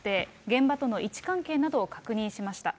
現場との位置関係などを確認しました。